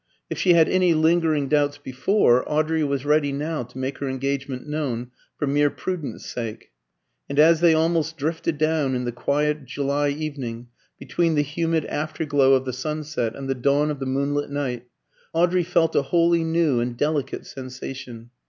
If she had any lingering doubts before, Audrey was ready now to make her engagement known, for mere prudence' sake. And as they almost drifted down in the quiet July evening, between the humid after glow of the sunset and the dawn of the moonlit night, Audrey felt a wholly new and delicate sensation.